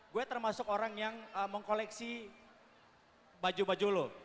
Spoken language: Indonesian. gue termasuk orang yang mengkoleksi baju baju lo